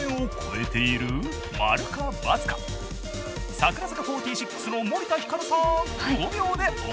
櫻坂４６の森田ひかるさん５秒でお答え下さい。